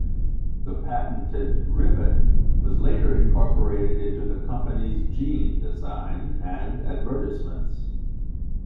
The patented rivet was later incorporated into the company's jean design and advertisements.